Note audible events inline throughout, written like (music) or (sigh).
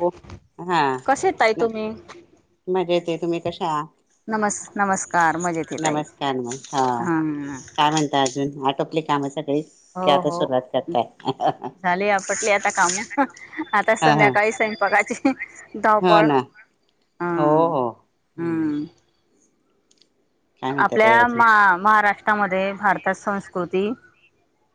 हो हा कसे ताई तुम्ही? मजा येते तुम्ही कशा? नमस् नमस्कार मजेत ये ताई नमस्कार. मग हा हम्म काय म्हणता अजून? आटोपले कामास हो हो झाले. आपटली आता काम. आता हा हा संध्याकाळी स्वयंपाकाची हो दावपळ ना हो हम्म हो हम्म. काय म्हणतात ताई आपल्या अजून म महाराष्ट्रामध्ये भारतात संस्कृती.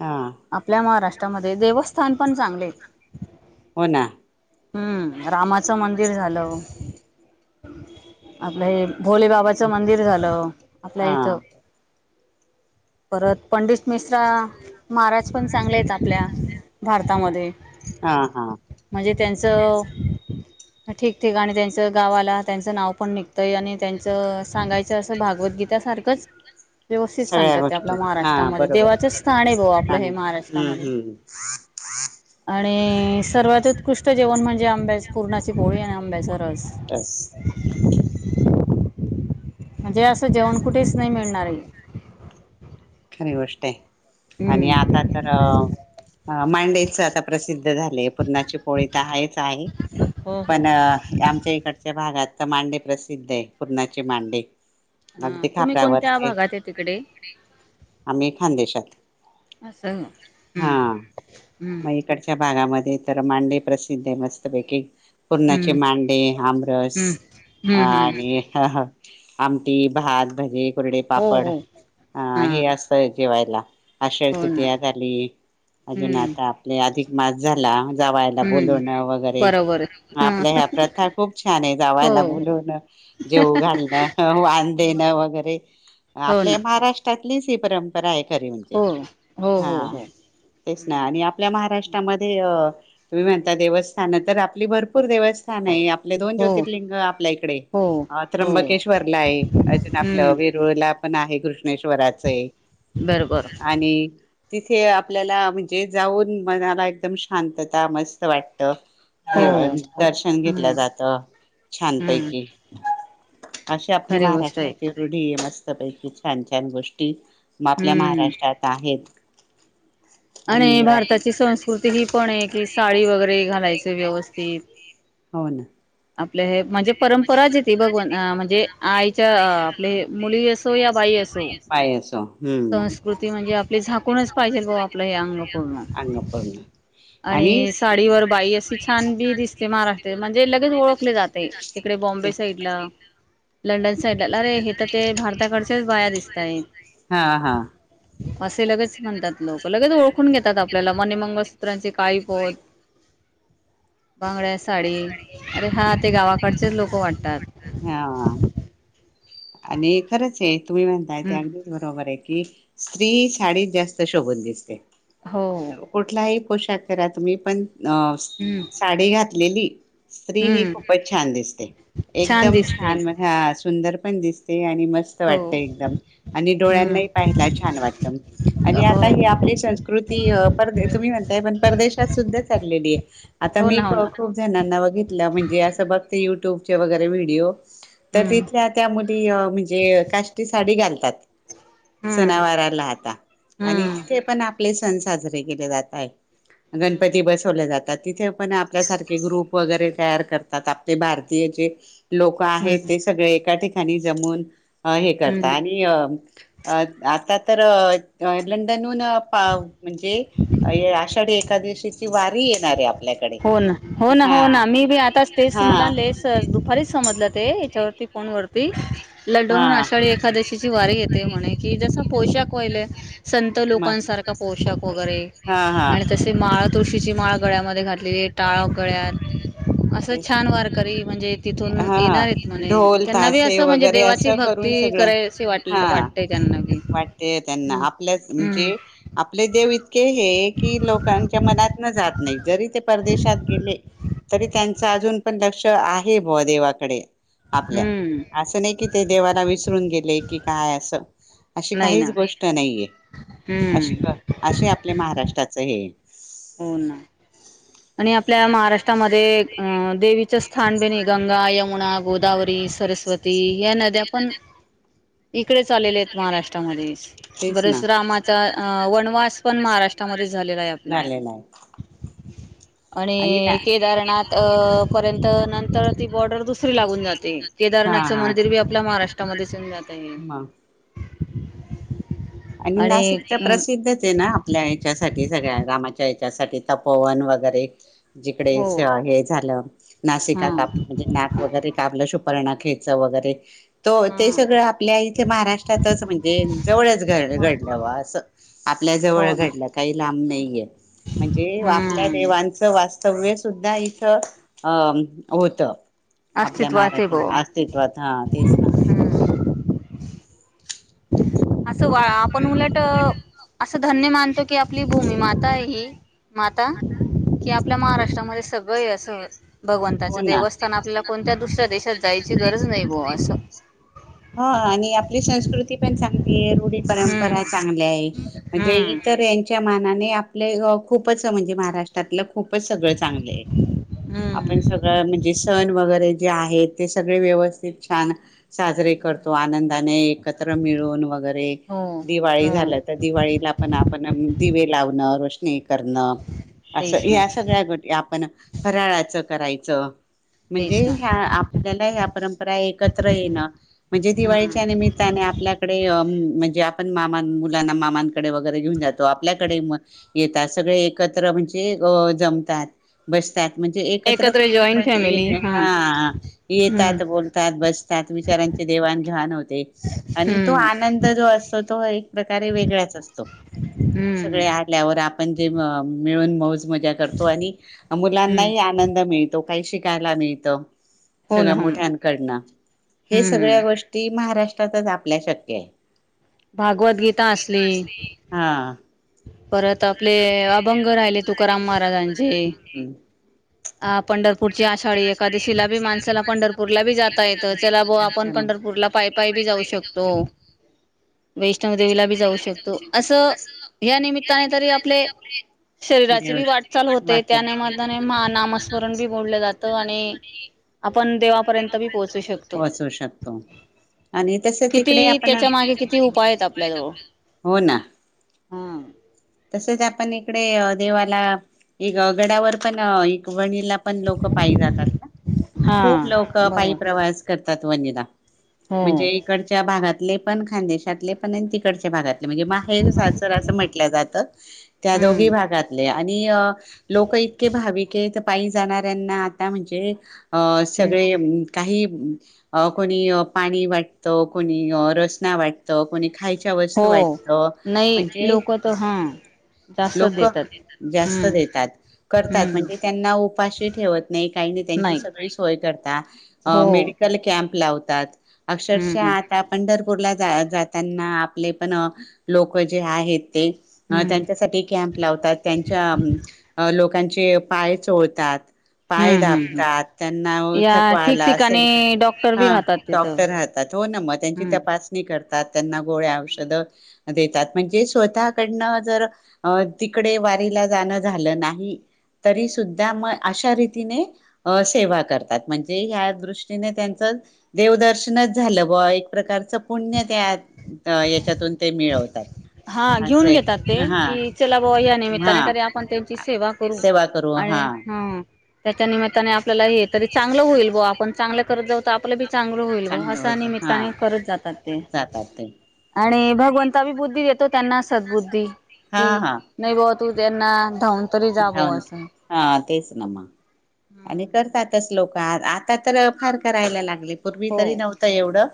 हा आपल्या महाराष्ट्रामध्ये देवस्थान पण चांगले हेत. हो ना. हम्म. रामाचं मंदिर झालं. आपलं हे भोलेबाबाच मंदिर झालं आपल्या हा इथ. परत पंडित मिश्रा महाराज पण चांगले आहेत आपल्या भारतामध्ये. हा हा. म्हणजे त्यांचं ठीक ठीक आणि त्यांच गावाला त्यांच नाव पण निघतंय आणि त्यांच सांगायचं असं भागव भगवतगीतासारखंच व्यवस्थित सगळ्या सांगतात ते आपल्या गोष्टी हा महाराष्ट्रामध्ये बरोबर देवाच स्थान आहे भाऊ आपलं छान हे आहे हम्म महाराष्ट्रामध्ये. हम्म आणि सर्वात उत्कृष्ट जेवण म्हणजे आंब्या, पुरणाची पोळी आणि आंब्यास तेच. म्हणजे असं जेवण कुठेच नाही मिळणार आहे. खरी गोष्ट आहे आणि आता हम्म तर मांडेच आता प्रसि काय झालय पुरणाची पोळी काय आहे ताई, हो हो पण आमच्या इकडच्या भागात आता मांडे प्रसिद्ध आहे पुरणाचे मांडे. हा अगदी तुम्ही कोणत्या खापऱ्यावरचे. भागात आहे तिकडे आम्ही खानदेशात. असं हा हम्म हम्म मग इकडच्या भागामध्ये तर मांडे प्रसिद्ध आहे मस्त पैकी. पुरणाचे हम्म मांडे आमरस हम्म हम्म हम्म आणि हं हं. आमटी, भात, भजे, कुरडे, हो पापड हो अं हां हे असतय जेवायला. आषाढ हो ना तृतीया झाली, अजून हम्म आता आपले अधिक मास झाला. जावायला हम्म बोलवणं वगैरे बरोबर हां आपल्या ह्या प्रथा खूप छान आहे हो जावायला बोलवणं. जेऊ घालणं वान हो देणं वगैरे हो आपल्या ना महाराष्ट्रात. ली हीच परंपरा आहे. खरी म्हणजे हो हो हो हा हो तेच ना आणि आपल्या महाराष्ट्रामध्ये अ तुम्ही म्हणता देवस्थान तर आपली भरपूर देवस्थान आहे. आपले दोन हो ज्योतिर्लिंग. आपल्या इकडे. हो अ हो त्र्यंबकेश्वरला आहे. अजून आपलं हम्म वेरूळला पण आहे. कृष्णेश्वराचे बरोबर आणि तिथे आपल्यालाला म्हणजे जाऊन मनाला एकदम शांतता, मस्त वाटत. हो दर्शन घेतलं हम्म जात हम्म छानपैकी. अशी आपली खरी गोष्ट आहे महाराष्ट्राची रूढी मस्त पैकी छान छान गोष्टी. मग आपल्या हम्म महाराष्ट्रात आहेत. आणि भारताची संस्कृती ही पण आहे की साडी वगैरे घालायच व्यवस्थित. हो ना. आपलं हे म्हणजे परंपराच येती बघून अ म्हणजे आईच्या अ आपले मुली असो या बाई असो. बाई असो हम्म संस्कृती म्हणजे आपली झाकूनच पाहिजेल बुवा आपलं हे अंग पूर्ण. अंगपूर्ण आणि साडीवर बाई अशी छान बी दिसते. महाराष्ट्रात म्हणजे लगेच ओळखले जात. तिकडे बॉम्बे जाते. साईड ला लंडन साईडला रे हे तर ते भारताकडच्याच बाया दिसताय. हा हा असे लगेच म्हणतात लोक. लगेच ओळखून घेतात आपल्याला मनी मंगळसूत्रांचे काळी पोत बांगड्या साडी अरे हात हा आणि खरंच आहे. तुम्ही म्हणताय ते हम्म अगदीच बरोबर आहे की स्त्री साडीत जास्त शोभून दिसते. हो कुठलाही पोशाख करा तुम्ही पण अ हम्म साडी घात लेली स्त्री ही हम्म खूपच छान दिसते एकदम छान हा. सुंदर पण दिसते आणि मस्त हो वाटत एकदम आणि डोळ्यांना ही हम्म पाहिला छान वाटत आणि हो आता ही आपली सं स्कृती अ परदे तुम्ही म्हणताय पण परदेशात सुद्धा चाललेली आहे आता अ हो मी ना हो ना खूप जणांना बघितला म्हणजे युट्यूब चे वगैरे व्हिडीओ त्या हम्म तिथल्या त्या मुली अ म्हणजे काष्ठ साडी घाल तात. हम्म सणा वारा ला आता आणि हम्म तिथे पण आले सण साजरे केले जाताय गणपती बसवले जा तात. तिथे पण आपल्यासारखे ग्रुप वगैरे तयार करतात आपले भारतीयचे लोक आहेत हम्म ते सगळे एका ठिकाणी जमून अ हे करतात हम्म आणि अ अ आता तर अ लंडनहून अ प म्हणजे आषाढी एक दशीची वारी येणारे आप हो ना हो ना हो ना मी बी आताच तेच हा मला लेस दुपारीच समजलं ते याच्यावरती फोन वरती हा लंडनहून आषाढी एखादशीची वारी येते म्हणे. कि जस पोषाक कोहिल संत लोकांसारखा पोशाख वगैरे हा हा आणि तसे माळ तुळशीची माळ गळ्यामध्ये घात लेले टाळो गळ्यात असं ते छान वारकरी म्हणजे तिथून येणार हा आहेत म्हणे ढोल त्यांना बी तासे असं म्हणजे वगैरे देवाची असं भक् करून ती सगळं करायशी वाट हा वाटतेय त्यांना बी वाटते त्यांना हम्म हम्म. क हे लोकांच्या मनात न जात नाही जरी ते परदेशात गेले तरी त्यांच अजून पण लक्ष आहे बुवा देवाकडे. आपल्या हम्म असं नाही कि ते देवाला विसरून गेले की काय असं. अशी नाही काहीच ना गोष्ट नाहीये अ हम्म असे आपल्या महाराष्ट्राच हे हो ना आणि आपल्या महाराष्ट्रामध्ये देवी चेस्थान कणी गंगा यमुना गोदावरी सरस्वती या नद्या पण इकडेचच आलेले आहेत महाराष्ट्रामध्ये. तेच ना बरेच रामाचां वनवास पण महाराष्ट्रामध्ये झालेला आहे आपला. झालेला आहे (inaudible) आणि केदारनाथ पर्यंत नंतर ती बॉर्डर दुसरी लागून जात ते. हा केदारनाथचं हा. मंदिर बी आपल्या महाराष्ट्रामध्येचऊन जात आहे. मग आणि नाशिक तर प्रसिद्धच आहे ना आपल्या याच्यासाठी सगळ्या रामाच्या त्यासाठी तपोवन वगैरे. जिकडे हो हे झालं नाशिका कापलं हां म्हणजे नाक वगैरे कापलं शु र्पनखेच वगैरे तो ते हां सगळं आपल्या इथे महाराष्ट्रातच म्हणजे जवळ घडलं अस आपल्या जवळ हो ना घडलं काही लांब नाहीये. म्हणजे आपल्या हम्म देवांचं वा स्तव्य सुुद्धा इथं अ होत. आपल्या अस्तित्वात आहे महाराष्ट्रा बुवा. अस्तित्वात हा तेच ना. हम्म असं वा आपण उलट असं धन्य मानतो की आपली भूमी माता आहे ही माता कि आपल्या महाराष्ट्रामध्ये सगळं असं हो भगवंताचं ना देवस्थान आपल्याला कोणत्या दुसऱ्या देशात जायची गरज नाही बुवा असं. हा आणि आपली संस्कृती पण चांगली रूढी परंपरा हम्म चांगल्या म्हणजे हम्म इतर यांच्या मानाने आपले खूपच म्हणजे महाराष्ट्रातलं खूपच सगळ चांगलेय. हम्म म्हणजे सण वगैरे जे आहेत ते सगळे व्यवस्थित छान. साजरे करतो आनंदाने एकत्र मिळून वगैरे हो दिवाळी हो झालं तर दिवाळीला पण आपण दिवे लावणं करणं तेच असं ना या सगळ्या गोी आपण फराळाचं करायचं म्हणजे तेच ना ह्या आपल्याला ह्या परंपरा एकत्र येणं म्हणजे दिवाळीच्या हम्म निमित्ताने आपल्याकडे म्हणजे पण मामां मुलांना मामांकडे वगैरे घेऊन जातो आपल्याकडे येतात सगळे एकत्र म्हणजे जमतात बसतात म्हणजे एकत्र कुटुंब हा हम्म येतात बोलतात बसतात विचारांचे देवान घण होते आणि तो हम्म आनंद जो असतो तो एक प्रकारे वेगळाच असतो हम्म सगळे आल्यावर आपण जे मिळून मौज मजा करतो आणि हम्म मुलांनाही आनंद तो काही शिकायला नाहीत हो सगळ्या ना हो ना मोठ्यांकडनं हे सगळ्या हम्म गोष्टी महाराष्ट्र आपल्या शक्यव भागवत गीता असली ह परत आपले अभंग राहिले तुकाराम महाराजांचे हम्म आप पंढरपूरची आषाढी एकादशीला बी माणसाला पंढरपूरला बी जाता येतं चला ब आपण पंढरपूरला पाहिज पायी बी जाऊ शकतो वैष्णवदेवीला बी जाऊ शकतो असं या निमित्ताने तरी आपले शरीराची बी वाट चाल होते त्याने म नामस्मरण बी बोल जात आणि आपण देवापर्यंत बी पोहोचू शकतो पोहोचवू शकतो आणि तसंच किती इकडे आपण त्याच्या मागे किती उपाय आहेत आपल्याजवळ आपल्याला हा तसेच आपण इकडे देवाला एक गडावर पण एक वणीला पण लोक पायी जातात ना खूप हा लोक पायी बरोबर प्रवास करतात वनला हो म्हणजे इकडच्या भागातले पण खानदेशातले पण आणि तिकडच्या भागात म्हणजे माहेर सासर असं म्हंटलं जात त्या दोघी हम्म भागातले आणि अं, लोकं इतकी भाविक ऐत पाई जाणाऱ्यांना आता म्हणजेऽऽ अ हम्म. ऽऽसगळे काहीऽ अं कोणी पाणी वाटतं, कोणी रसना वाटतं, कोणी खायऽऽ हो वसं वाटतं, म्हणजेऽऽ हां लोकं, जास्त देतात. करतात हम्म म्हणजे त्यांना उपाशी ठेवत नाही, काही नाही, त्यांची सगळी सोय करता हो अं मेडिऽऽ कल कॅम्प लावतात,, अक्षरशः हम्म आता आ पंढरपुऽऽ पूरला जा जातानां आपले पण अं लोकं जे आहेत ते अ हम्म त्यांच्यासाठी कॅम्प लावतात त्यांच्या,,, अं, लोकांचे पाय चोळतात पाय हम्म हम्म दाबतात,, त्यांना अं या थकवा आला असेलऽऽ ठिकठिकाणी डॉक्टर बी हां, राहतात तिथं डॉक्टर राहतात, हो ना मग त्यांची हम्म तपासणी करतऽप्पऽ तात त्यांना गोळ्या औषधं देतात म्हणजे स्वतःकडनंऽऽ जर अ तिकडे वारीला जाणं झालं नाही, तरी सुद्धा म अशा रीतीने अं सेवा करतात, म्हणजे ह्या दृष्टीने त्यांचऽऽ देवदर्शनच झालं बूवा एक प्रकारच पुण्य त्यात, य याच्यातून ते मिळवतात,, हा घेऊन घेतात असंयऽ ते, कि चला बूवा या निमित्ताने तरी आपण त्यांची सेवा करू,, सेवा करू आणि हा हाऽ त्याच्या निमित्ताने आपल्याला हे तरी चांगलं होईल बुवा आपण चांगलं करत जाऊ आपलं बीऽऽ चांगल होईल गं, चांगलं असा होत निमित्ताने करत जातात तेऽ हा जातात ते आणिऽऽ भगवंता बी बुद्धी देतो त्यांना सद बुद्धी हा की हा नाही बुवाऽऽ तू त्यांना धावूनऽऽ जाऊन,, हा, तेच ना मग, आणि करतातच लोक, आ आता तर फार करायला लागलेऽ पूर्वी हो तरी नव्हत एवढं,,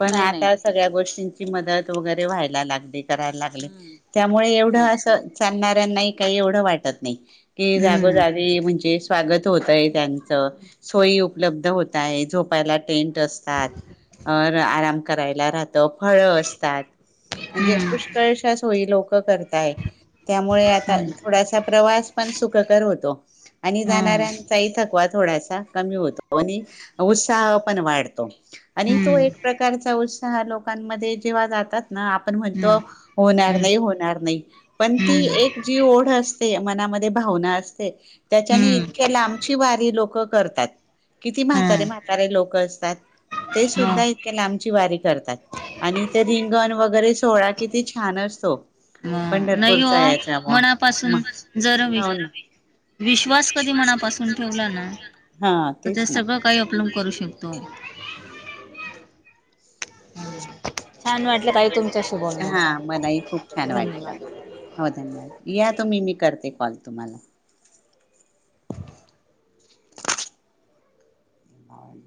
पण नाही नाही आता सगळ्या गोष्टींची मदत वगैरे व्हायला लागते. करायला लागले, हम्म त्यामुळे एवढं हो असं चालणार्या ना ही काही एवढं वाटत नाही. कि जागोजागी म्हणजे स्वागत होतय त्यांच, सोयी उपलब्ध होत आहे झोपायला. टेंट असतात, आराम करायला रा फळं असतात, म्हणजे पुष्कळशा सोयी लोकं करतात. काय त्यामुळे आता ना थोडासा प्रवास पण सुखकर होतो, आणि हम्म जाणाऱ्यांचाही थकवा. थोडासा, कमी होतो, आणि उत्साह पण वाढतो. आणि हम्म हो तो ना हम्म एक प्रकारचा उत्साह लोकांमध्ये जेव्हा जातात. ना आपण म्हणतो, हम्म हम्म होणार नाही, होणार नाही, पण ती हम्म एक जी ओढ अस ते, मनामध्ये भावना असते, त्याच्याने हम्म हम्म इतक्या लांबची वारी लोकं करतात. किती म्हातारे, हम्म म्हातारे लोक असतात. ते सुद्धा मग इतके लांबची वारी करतात, आणि ते रिंगण वगैरे सोहळा किती छान अस. ह नाही ह मग मनापासून मग जर म हो ना विश्वास कधी मनापासून ठेवला ना, हा तर तेच ते ना सगळं काही अपलन करू शकतो. छान वाटलं ताई तुम हां, मलाही खूप छान वाटलं, धन्यवाद हो धन्यवाद, या आत मी, मी, करते कॉल तुम्हाला ए (unintelligible)